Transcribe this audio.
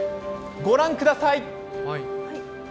御覧ください。